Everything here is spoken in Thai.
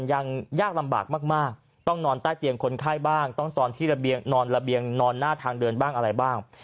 ยากลำบากมากต้องนอนใต้เตียงคนไข้บ้างต้องตอนที่นอนระเบียงนอนหน้าทางเดินบ้างอะไรบ้าง